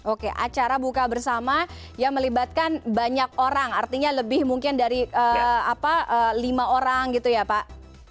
oke acara buka bersama yang melibatkan banyak orang artinya lebih mungkin dari lima orang gitu ya pak